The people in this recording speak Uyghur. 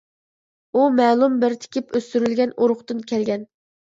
ئۇ مەلۇم بىر تىكىپ ئۆستۈرۈلگەن ئۇرۇقتىن كەلگەن.